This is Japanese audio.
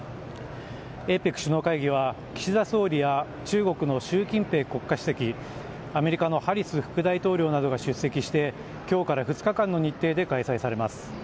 ＡＰＥＣ首脳会議は岸田総理や中国の習近平国家主席アメリカのハリス副大統領などが出席して今日から２日間の日程で開催されます。